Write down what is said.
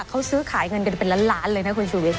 เขาซื้อขายเงินกันเป็นล้านล้านเลยนะคุณชูวิทย